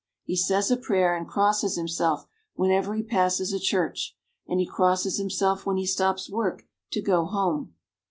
He says a prayer and crosses himself whenever he passes a church, and he crosses himself when he stops work to go home.